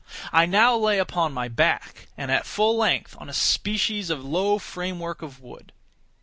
I now lay upon my back, and at full length, on a species of low framework of wood.